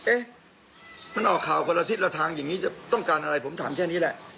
เอ๊ะมันออกข่าวคนละทิศละทางอย่างนี้จะต้องการอะไรผมถามแค่นี้แหละ